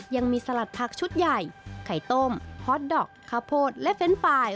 ยังมีสลัดผักชุดใหญ่ไข่ต้มฮอตดอกข้าวโพดและเฟรนด์ไฟล์